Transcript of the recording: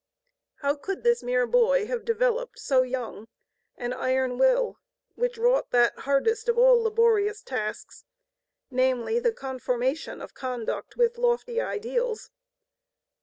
How could this mere boy have developed, so young, an iron will which wrought that hardest of all laborious tasks, namely, the conformation of conduct with lofty ideals?